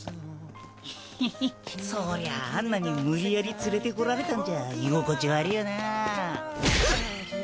ヒヒヒそりゃあアンナに無理やり連れてこられたんじゃ居心地悪いよなうっ。